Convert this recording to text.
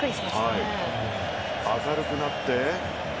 明るくなって。